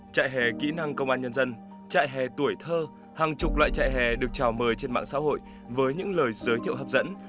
trại hè kỹ năng công an nhân dân trại hè tuổi thơ hàng chục loại chạy hè được trào mời trên mạng xã hội với những lời giới thiệu hấp dẫn